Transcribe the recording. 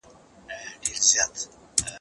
زه اوږده وخت د لوبو لپاره وخت نيسم وم!؟